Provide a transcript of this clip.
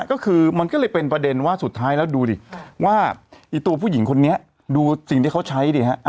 ก็คือมันก็เลยเป็นประเด็นว่าสุดท้ายแล้วดูดิว่าไอ้ตัวผู้หญิงคนนี้ดูสิ่งที่เขาใช้ดิฮะ